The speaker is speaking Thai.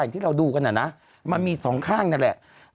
อย่างที่เราดูกันน่ะนะมันมี๒ข้างนั่นแหละ